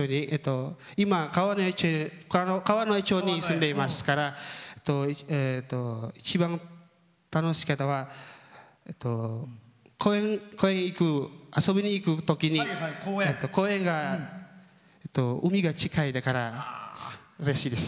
今、川之江町に住んでいますから一番楽しかったのは公園に遊びに行くときに海が近い、だからうれしいです。